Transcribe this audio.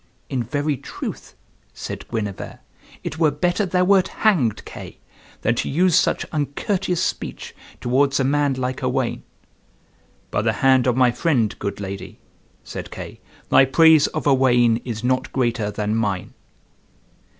"In very truth," said Guenever, "it were better thou wert hanged, Kay, than to use such uncourteous speech towards a man like Owain." "By the hand of my friend, good lady," said Kay, "thy praise of Owain is not greater than mine."